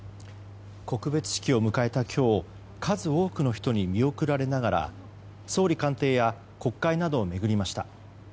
告別式を迎えた今日数多くの人に見送られながら総理官邸や国会などを巡りました。